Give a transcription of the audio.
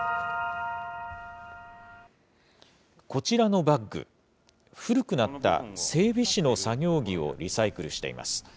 こちらのバッグ、古くなった整備士の作業着をリサイクルしています。